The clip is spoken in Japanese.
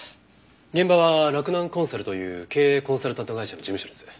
現場は洛南コンサルという経営コンサルタント会社の事務所です。